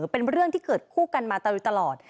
เป็นเรื่องที่เกิดคู่กันมาตลอด